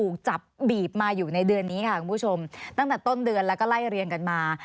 คุณผู้ชมตั้งแต่ต้นเดือนแล้วก็ไล่เรียนกันมา